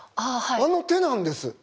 あの手なんです。